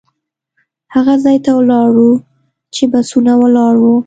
هغه ځای ته لاړو چې بسونه ولاړ وو.